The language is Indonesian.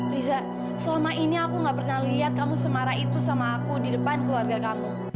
riza selama ini aku gak pernah lihat kamu semara itu sama aku di depan keluarga kamu